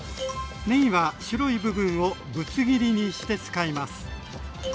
ねぎは白い部分をぶつ切りにして使います。